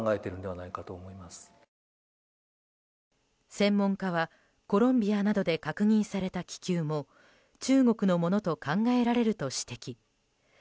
専門家は、コロンビアなどで確認された気球も中国のものと考えられると指摘。